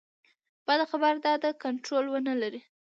بده خبره دا ده کنټرول ونه لري.